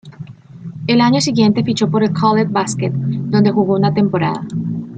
Al año siguiente fichó por el Cholet Basket, donde jugó una temporada.